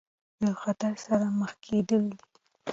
له خطر سره مخ کېدل دي.